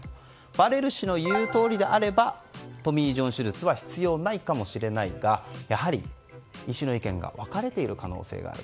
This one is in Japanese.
バレロ氏の言うとおりであればトミー・ジョン手術は必要ないかもしれないがやはり医師の意見が分かれている可能性がある。